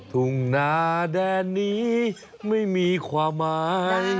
ทุ่งนาแดนนี้ไม่มีความหมาย